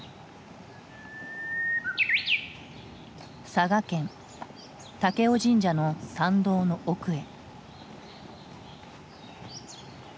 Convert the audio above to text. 佐賀県武雄神社の参道の奥へ。